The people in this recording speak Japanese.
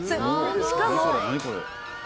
しかも。